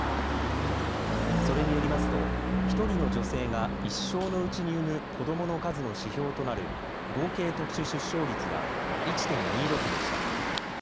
それによりますと１人の女性が一生のうちに産む子どもの数の指標となる合計特殊出生率は１．２６でした。